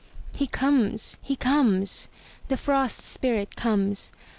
He comes, he comes, the Frost Spirit comes!